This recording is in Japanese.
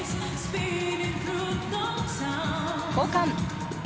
交換。